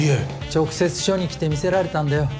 直接署に来て見せられたんだよ。